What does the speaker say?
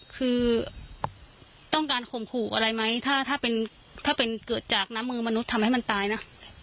คือต้องการข่มขู่อะไรไหมถ้าถ้าเป็นถ้าเป็นเกิดจากน้ำมือมนุษย์ทำให้มันตายนะ